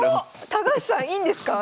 高橋さんいいんですか？